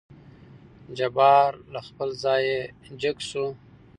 جبار له خپل ځايه جګ شو.